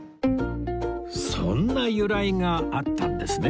そんな由来があったんですね